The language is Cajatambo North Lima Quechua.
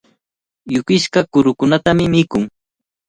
Yukishqa kurukunatami mikun.